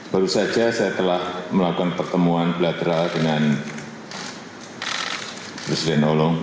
baru saja saya telah melakukan pertemuan bilateral dengan presiden hollow